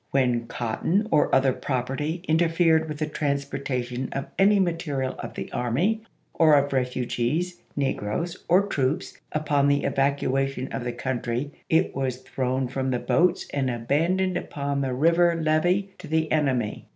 When cotton or other property interfered with the transportation of any material of the army, or of refugees, negi'oes, or troops, upon the evacua tion of the country, it was thrown from the boats, and abandoned upon the river levee to the enemy."